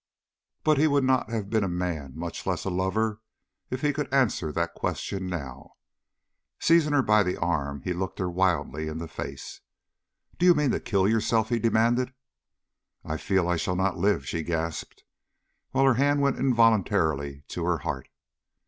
But he would not have been a man, much less a lover, if he could answer that question now. Seizing her by the arm, he looked her wildly in the face. "Do you mean to kill yourself?" he demanded. "I feel I shall not live," she gasped, while her hand went involuntarily to her heart.